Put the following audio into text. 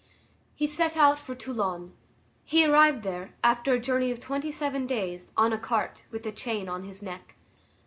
He set out for Toulon. He arrived there, after a journey of twenty seven days, on a cart, with a chain on his neck.